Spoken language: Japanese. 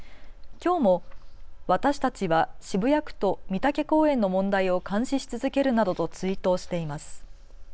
きょうも私たちは渋谷区と美竹公園の問題を監視し続けるなどとツイートをしています。